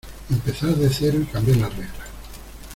empezar de cero y cambiar las reglas